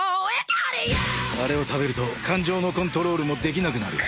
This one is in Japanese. あれを食べると感情のコントロールもできなくなる。